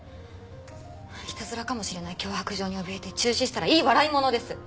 いたずらかもしれない脅迫状におびえて中止したらいい笑い物です！